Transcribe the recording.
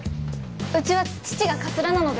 うちは父がカツラなので。